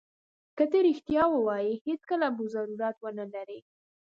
که ته رښتیا ووایې هېڅکله به ضرورت ونه لرې.